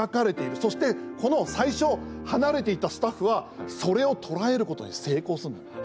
そして、この最初離れていたスタッフはそれを捉えることに成功するのよ。